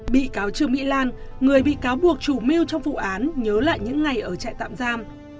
bị cáo trương mỹ lan người bị cáo buộc chủ mưu trong vụ án nhớ lại những ngày ở trại tạm giam